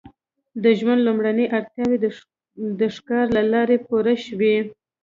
د ژوند لومړنۍ اړتیاوې د ښکار له لارې پوره شوې.